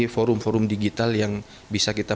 forum forum digital yang bisa kita